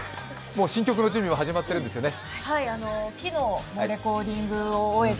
もう新曲の準備も始まってるんですよね？